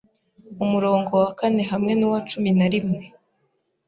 Umurongo wa kane hamwe nuwacumi na rimwe